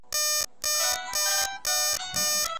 آیا پوهېږئ چې سګرټ څکول د سږو ظرفیت په نښه کوي؟